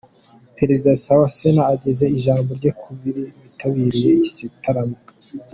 Perezida wa Sena ageza ijambo rye ku bari bitabiriye iki gitaramo.